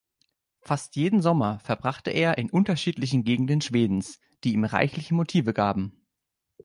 Fast jeden Sommer verbrachte er in unterschiedlichen Gegenden Schwedens, die ihm reichliche Motive gaben.